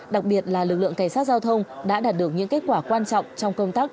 đặc biệt là lực lượng cảnh sát giao thông đã đạt được những kết quả quan trọng trong công tác